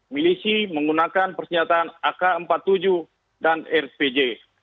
milisi menggunakan persenjataan ak empat puluh tujuh dan rpj